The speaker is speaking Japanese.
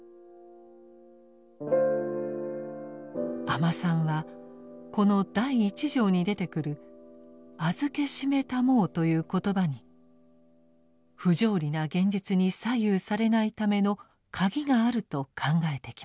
阿満さんはこの第一条に出てくる「あづけしめたまふ」という言葉に不条理な現実に左右されないための「鍵」があると考えてきました。